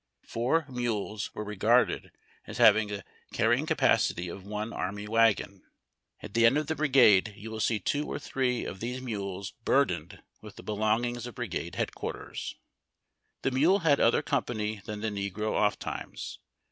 Four mules were regarded as having tlie carry ing capacity of one army wagon. At the end of the brigade you will see two or three of these mules burdened with the belongings of brigade headquarters. The mule had other company than the negro ofttimes.